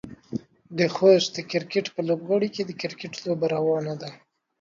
د خوست کرکټ په لوبغالي کې د کرکټ لوبه روانه ده.